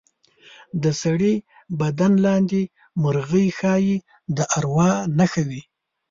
د سړي بدن لاندې مرغۍ ښایي د اروا نښه وي.